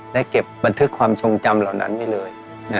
และเก็บบันทึกความทรงจำเหล่านั้นไว้เลย